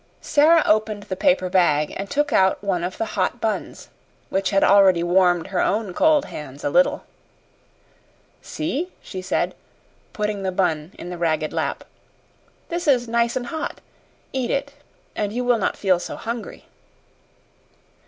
Sara opened the paper bag and took out one of the hot buns, which had already warmed her own cold hands a little. "See," she said, putting the bun in the ragged lap, "this is nice and hot. Eat it, and you will not feel so hungry."